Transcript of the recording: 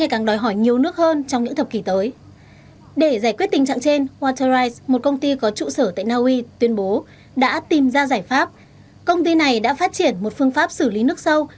công ty này đã phát triển một phương pháp xử lý nước sâu